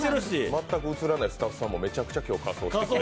全く映らないスタッフさんも今日めちゃくちゃ仮装してるんで。